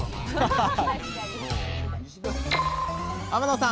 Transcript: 天野さん